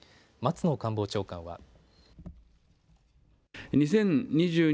松野官房長官は。